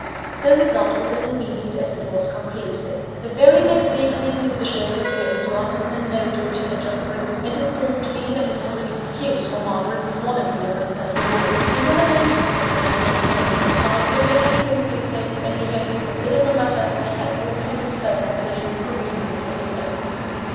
The result was as immediate as it was conclusive. The very next evening, Mr. Sherwin came to us with a note which he had just written, and informed me that it was an excuse for Margaret's non appearance at the ball. He never mentioned Mr. Mannion's name, but sulkily and shortly said, that he had reconsidered the matter, and had altered his first decision for reasons of his own.